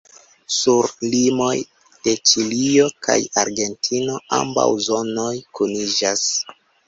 Sur limoj de Ĉilio kaj Argentino ambaŭ zonoj kuniĝas.